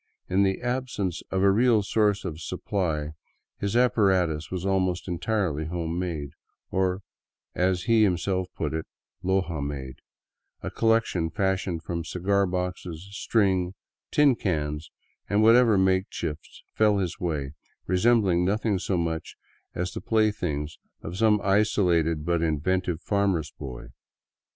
In the absence of a real source of supply his apparatus was almost entirely home made, or, as he himself put it, " Loja made," a collection fashioned from cigar boxes, string, tin cans, and whatever makeshifts fell in his way, resembling nothing so much as the play things of some isolated but inventive farmer's boy.